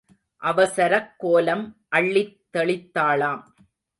அவசரக் கோலம் அள்ளித் தெளித்தாளாம்.